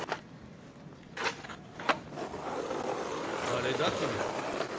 誰だ君は？